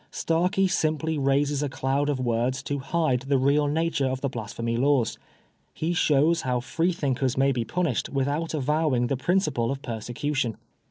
Starkie simply raises a cloud of words to hide the real nature of the Blasphemy Laws. He shows how Free thinkers may be punished without avowing the principle of persecution.